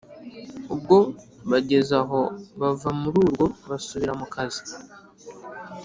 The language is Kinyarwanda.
ubwo bagezaho bava mururwo basubira mukazi